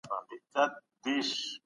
هغه خپل ورېښتان مینځي.